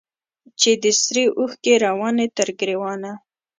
چي دي سرې اوښکي رواني تر ګرېوانه